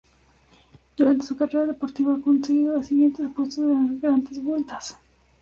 Durante su carrera deportiva ha conseguido los siguientes puestos en las Grandes Vueltas